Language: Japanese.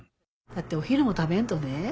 だってお昼も食べんとね。